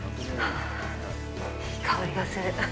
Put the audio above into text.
いい香りがする。